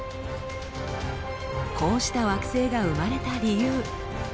こうした惑星が生まれた理由。